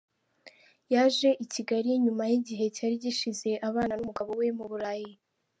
Yaje i Kigali nyuma y’igihe cyari gishize abana n’umugabo we mu Burayi.